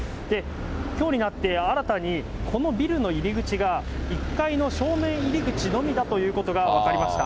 きょうになって新たに、このビルの入り口が１階の正面入り口のみだということが分かりました。